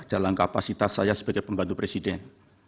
dalam kapasitas saya sebagai pembantu presiden